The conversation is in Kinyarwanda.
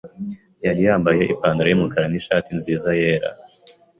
Yari yambaye ipantaro yumukara nishati nziza yera.